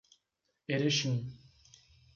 Erechim